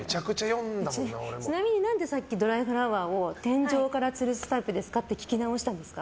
ちなみにさっき何でドライフラワーを天井からつるすタイプですかって聞き直したんですか？